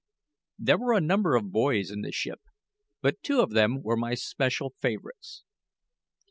There were a number of boys in the ship, but two of them were my special favourites.